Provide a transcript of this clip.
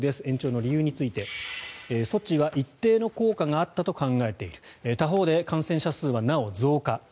延長の理由について措置は一定の効果があったと考えている他方で感染者数は、なお増加。